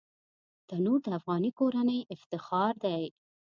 تنور د افغاني کورنۍ افتخار دی